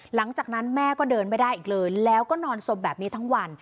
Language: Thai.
หลังจากนั้นแม่ก็เดินไม่ได้อีกเลยแล้วก็นอนสมแบบนี้ทั้งวัน